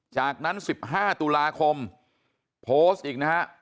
จากนั้น๑๕ตุลาคมโพสต์อีกนะฮะ